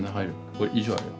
これ以上あるよ。